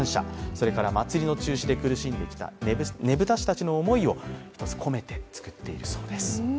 それから祭りの中止で苦しんできたねぶた師たちの思いを込めて作っているそうです。